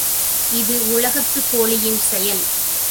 இது உலகத்துக் கோழியின் செயல்.